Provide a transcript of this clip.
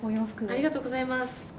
ありがとうございます。